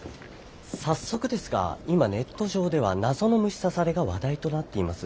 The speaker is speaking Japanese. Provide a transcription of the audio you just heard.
早速ですが今ネット上では謎の虫刺されが話題となっています。